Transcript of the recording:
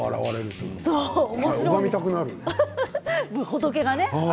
仏がね。